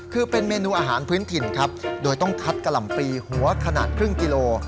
คือเป็นเมนูอาหารพื้นถิ่นครับโดยต้องคัดกะหล่ำปีหัวขนาดครึ่งกิโล